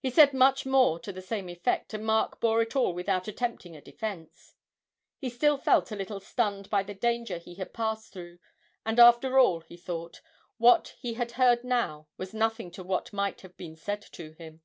He said much more to the same effect, and Mark bore it all without attempting a defence: he still felt a little stunned by the danger he had passed through, and, after all, he thought, what he had heard now was nothing to what might have been said to him!